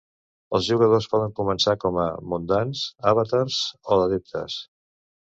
Els jugadors poden començar com a "mundans", "avatars" o "adeptes".